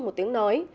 một tiếng nói